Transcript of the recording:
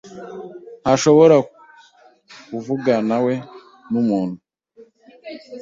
ntashobora kuvuganawe numuntu.